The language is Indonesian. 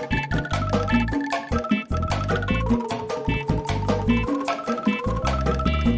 sirban sirban sirban